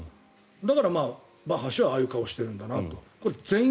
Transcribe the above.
だから、バッハ氏はああいう顔をしているんだろうと。